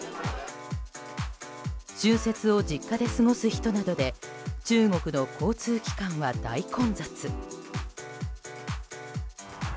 春節を実家で過ごす人などで中国の交通機関は大混雑。